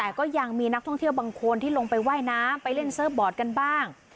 แต่ก็ยังมีนักท่องเที่ยวบางคนที่ลงไปว่ายน้ำไปเล่นเซิร์ฟบอร์ดกันบ้าง